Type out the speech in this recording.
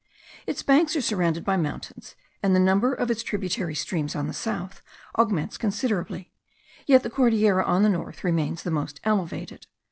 Its banks are surrounded by mountains, and the number of its tributary streams on the south augments considerably, yet the Cordillera on the north remains the most elevated.